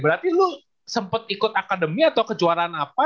berarti lu sempat ikut akademi atau kejuaraan apa